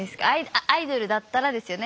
アイドルだったらですよね。